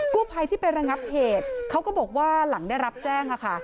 กู้ภัยที่ไประงับเหตุเขาก็บอกว่าหลังได้รับแจ้งค่ะ